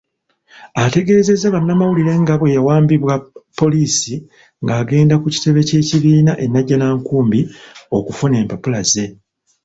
Ategeezezza bannamawulire nga bwe yawambiddwa poliisi ng'agenda ku kitebe ky'ekibiina eNajjanankumbi okufuna empapula ze.